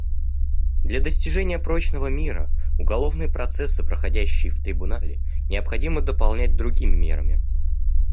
Для достижения прочного мира уголовные процессы, проходящие в Трибунале, необходимо дополнять другими мерами.